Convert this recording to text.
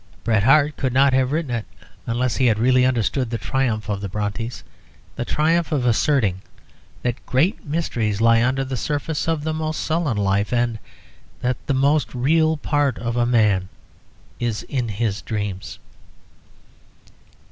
Bret Harte could not have written it unless he had really understood the triumph of the Brontës, the triumph of asserting that great mysteries lie under the surface of the most sullen life, and that the most real part of a man is in his dreams.